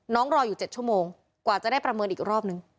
รออยู่๗ชั่วโมงกว่าจะได้ประเมินอีกรอบนึง